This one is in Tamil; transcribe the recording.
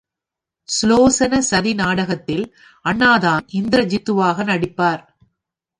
சுலோசன சதி நாடகத்தில் அண்ணாதான் இந்திரஜித்துவாக நடிப்பார்.